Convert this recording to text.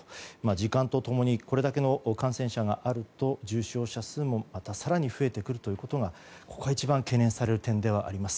時間と共にこれだけの感染者があると重症者数もまた更に増えてくることが懸念される点ではあります。